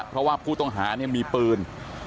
เพราะว่าผู้ต้องหาเนี่ยมีปืน